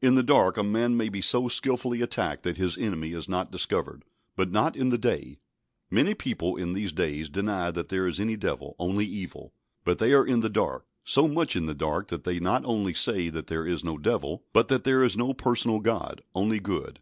In the dark a man may be so skilfully attacked that his enemy is not discovered, but not in the day. Many people in these days deny that there is any Devil, only evil; but they are in the dark, so much in the dark that they not only say that there is no Devil, but that there is no personal God, only good.